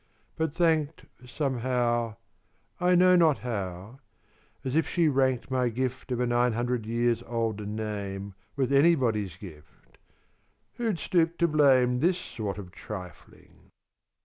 but thanked Somehow I know not how as if she ranked My gift of a nine hundred years old name With anybody's gift. Who'd stoop to blame This sort of trifling?